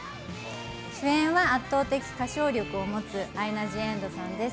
主演は圧倒的歌唱力を持つアイナ・ジ・エンドさんです。